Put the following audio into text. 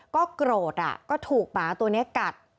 ก็โกรธก็ถูกหมาตัวนี้กัด